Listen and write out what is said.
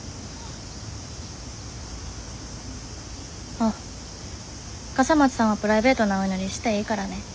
あっ笠松さんはプライベートなお祈りしていいからね。